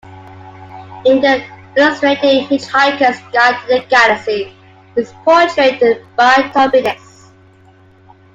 In "The Illustrated Hitchhiker's Guide to the Galaxy" he is portrayed by Tom Finnis.